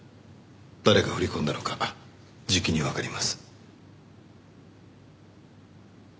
誰が振り込んだのかじきにわかります。